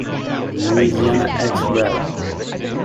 Louisiana ex rel.